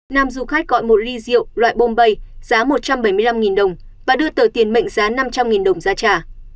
nàm du khách gọi một ly rượu loại bombay giá một trăm bảy mươi năm đồng và đưa tờ tiền mệnh giá năm trăm linh đồng ra trả